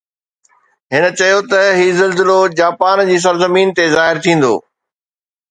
هن چيو ته هي زلزلو جاپان جي سرزمين تي ظاهر ٿيندو.